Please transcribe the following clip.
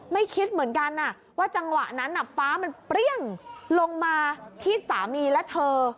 คิดเหมือนกันว่าจังหวะนั้นฟ้ามันเปรี้ยงลงมาที่สามีและเธอ